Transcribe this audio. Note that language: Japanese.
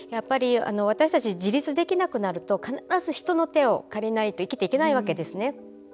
私たち自立できなくなると必ず人の手を借りないと生きていけないわけですね。